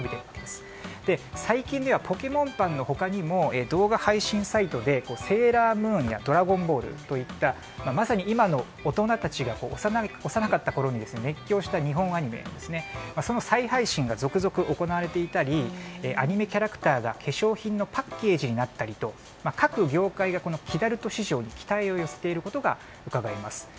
最近ではポケモンパンの他にも動画配信サイトで「セーラームーン」や「ドラゴンボール」といったまさに今の大人たちが幼かったころに熱狂した日本アニメその再配信が続々行われていたりアニメキャラクターが化粧品のパッケージになったりと各業界がキダルト市場に期待を寄せていることがうかがえます。